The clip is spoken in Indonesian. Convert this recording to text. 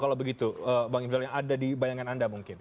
kalau begitu bang imdal yang ada di bayangan anda mungkin